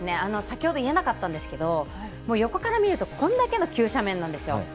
先ほど言えなかったんですが横から見るとこれだけの急斜面なんですよ。